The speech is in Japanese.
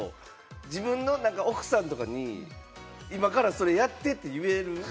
自分の奥さんとかに今からそれやってって言える？